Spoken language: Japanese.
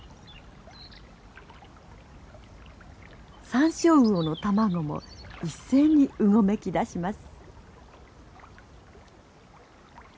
サンショウウオの卵も一斉にうごめきだします。